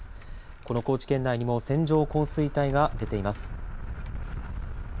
この高知県内にも線状降水帯が出ています。